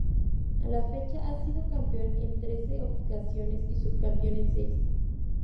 A la fecha ha sido campeón en trece ocasiones y subcampeón en seis.